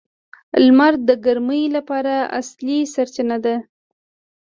• لمر د ګرمۍ لپاره اصلي سرچینه ده.